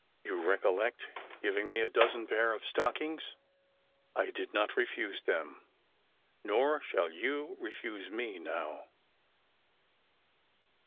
You recollect giving me a dozen pairs of stockings. I did not refuse them, nor shall you refuse me now."